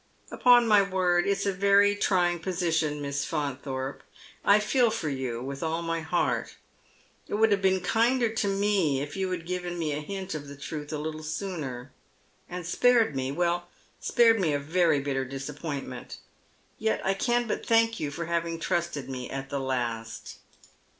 " Upon my word it's a very ti ying position. Miss Faunthorpe, and T ^1 for you with all my heart. It would have been kinder 212 Dead Men's Shoet. to me if you had given me a hint of the truth a little sooner, and spared me — well, spared me a very bitter disappointment Yet I can but thank you for having trusted me at the last."